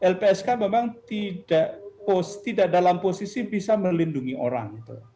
lpsk memang tidak dalam posisi bisa melindungi orang